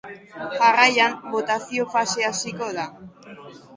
Jarraian, botazio fasea hasiko da.